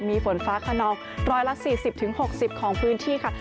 มีฝนฟ้าขนอง๑๔๐๖๐ของพื้นที่ค่ะ